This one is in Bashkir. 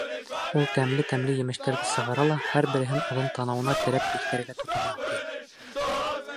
Ул тәмле-тәмле емештәрҙе сығара ла һәр береһен оҙон танауына терәп еҫкәргә тотона, ти.